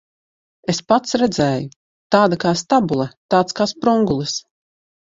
Es pats redzēju. Tāda kā stabule, tāds kā sprungulis.